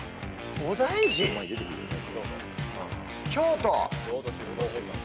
京都。